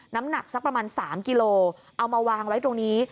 น้ำหนักสักประมาณ๓กิโลเอามาวางไว้ตรงนี้